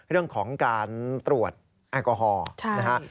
เรื่องของการตรวจแอลกอฮอล์นะฮะ